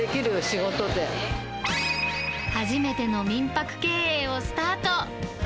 初めての民泊経営をスタート。